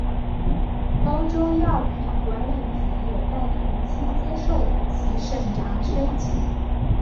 欧洲药品管理局也在同期接受其审查申请。